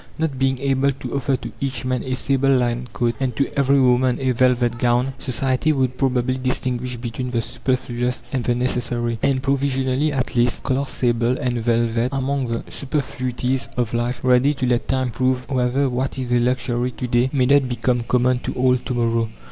Not being able to offer to each man a sable lined coat and to every woman a velvet gown, society would probably distinguish between the superfluous and the necessary, and, provisionally at least class sable and velvet among the superfluities of life, ready to let time prove whether what is a luxury to day may not become common to all to morrow.